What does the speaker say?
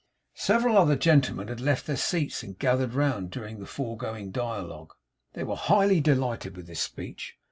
Several other gentlemen had left their seats and gathered round during the foregoing dialogue. They were highly delighted with this speech.